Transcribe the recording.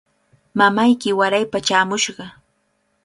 Mamayki waraypa chaamushqa.